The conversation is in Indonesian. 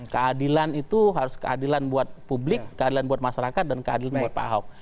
keadilan itu harus keadilan buat publik keadilan buat masyarakat dan keadilan buat pak ahok